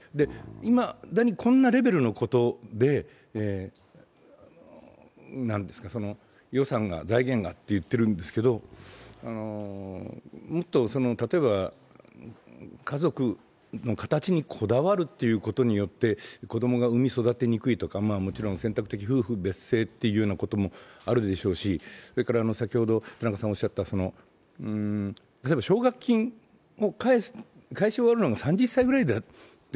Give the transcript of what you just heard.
いまだにこんなレベルのことで予算が、財源がと言ってるんですけど、もっと例えば、家族の形にこだわるということによって子供が産み育てにくいとかもちろん選択的夫婦別姓ということもあるでしょうし、それから、例えば奨学金を返し終わるのが３０歳ぐらいだと。